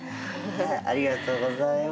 ありがとうございます。